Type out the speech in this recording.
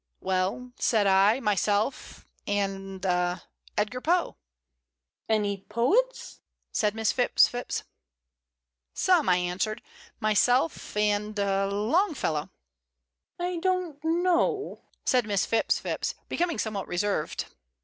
"Well," said I, "myself, and ah Edgar Poe." "Any poets?" said Miss Phipps Phipps. "Some," I answered. "Myself and ah Longfellow." "I don't know," said Miss Phipps Phipps, becoming somewhat reserved.